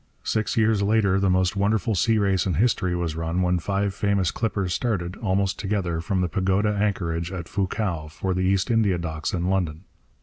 Six years later the most wonderful sea race in history was run when five famous clippers started, almost together, from the Pagoda Anchorage at Fu chau for the East India Docks in London.